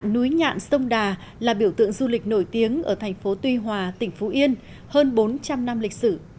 núi nhạn sông đà là biểu tượng du lịch nổi tiếng ở thành phố tuy hòa tỉnh phú yên hơn bốn trăm linh năm lịch sử